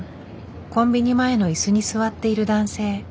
コンビニ前のいすに座っている男性。